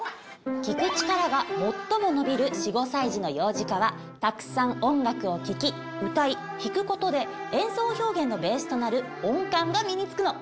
聴く力が最も伸びる４５歳児の「幼児科」はたくさん音楽を聴き歌い弾く事で演奏表現のベースとなる音感が身につくの。